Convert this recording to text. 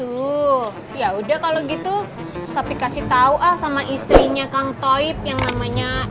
oh gitu ya udah kalau gitu sapi kasih tahu ah sama istrinya kang toib yang namanya